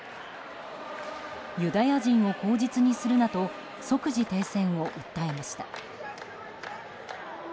ユダヤ人を口実にするなと即時停戦を訴えました。